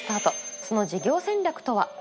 その事業戦略とは。